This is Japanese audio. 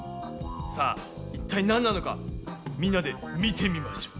さあ一体なんなのかみんなで見てみましょう！